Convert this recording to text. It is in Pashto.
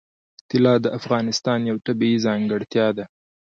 طلا د افغانستان یوه طبیعي ځانګړتیا ده.